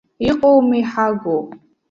Иҟоума иҳагу!